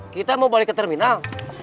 kita mau boleh ke terminal